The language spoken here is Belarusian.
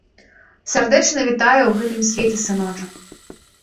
Сардэчна вітаю ў гэтым свеце, сыночак.